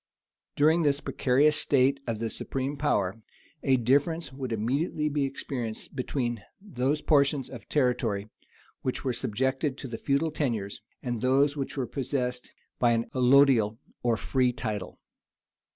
During this precarious state of the supreme power, a difference would immediately be experienced between those portions of territory which were subjected to the feudal tenures, and those which were possessed by an allodial or free title.